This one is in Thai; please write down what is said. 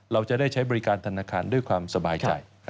เราจะได้ใช้บริการธนาคารด้วยความสบายใจ